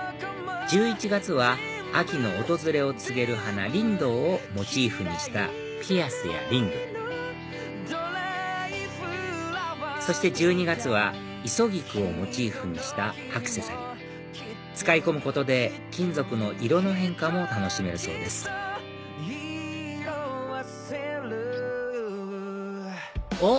１１月は秋の訪れを告げる花リンドウをモチーフにしたピアスやリングそして１２月はイソギクをモチーフにしたアクセサリー使い込むことで金属の色の変化も楽しめるそうですおっ